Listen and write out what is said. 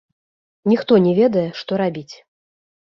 Ніхто не ведае, што рабіць.